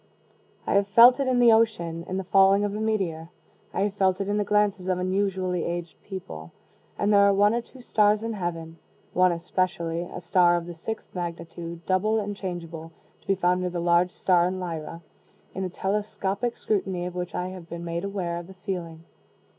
I have felt it in the ocean in the falling of a meteor. I have felt it in the glances of unusually aged people. And there are one or two stars in heaven (one especially, a star of the sixth magnitude, double and changeable, to be found near the large star in Lyra) in a telescopic scrutiny of which I have been made aware of the feeling.